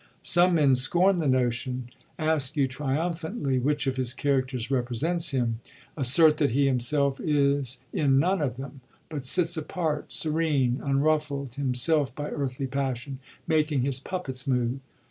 Some men scorn the notion, ask you triumphantly which of his characters represents him, assert that he himself is in none of them, but sits apart, serene, unruffled himself by earthly passion, making his puppets move.